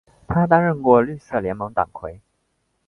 他担任过绿色联盟党魁。